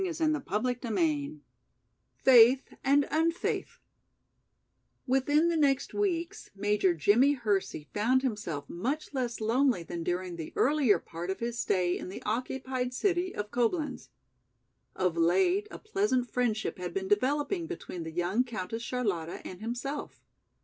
CHAPTER XVII Faith and Unfaith WITHIN the next weeks Major Jimmie Hersey found himself much less lonely than during the earlier part of his stay in the occupied city of Coblenz. Of late a pleasant friendship had been developing between the young Countess Charlotta and himself.